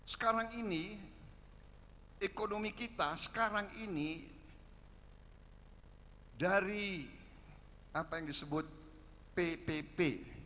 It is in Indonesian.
sekarang ini ekonomi kita sekarang ini dari apa yang disebut ppp